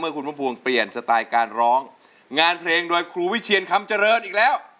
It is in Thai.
คุณพุ่มพวงเปลี่ยนสไตล์การร้องงานเพลงโดยครูวิเชียนคำเจริญอีกแล้ว